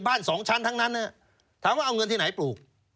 สองชั้นทั้งนั้นถามว่าเอาเงินที่ไหนปลูก